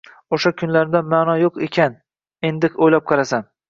Oʻsha kunlarimdan maʼno yoʻq ekan, endi oʻylab qarasam.